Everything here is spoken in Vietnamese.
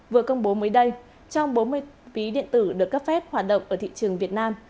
vừa công bố mới đây trong bốn mươi ví điện tử được cấp phép hoạt động ở thị trường việt nam